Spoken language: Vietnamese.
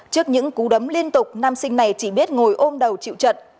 trước những cú đấm liên tục nam sinh này chỉ biết ngồi ôm đầu chịu trận